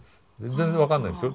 全然分かんないんですよ。